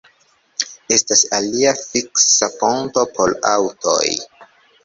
Estas alia fiksa ponto por aŭtoj.